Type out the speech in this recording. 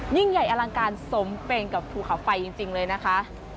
ยิ่งใหญ่อลังการสมเป็นกับภูเขาไฟจริงเลยนะคะ